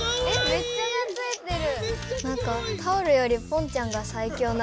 めっちゃなついてる。